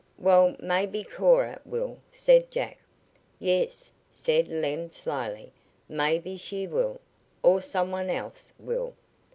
"Well, maybe Cora will," said Jack. "Yes," said Lem slowly, "maybe she will or some one else will."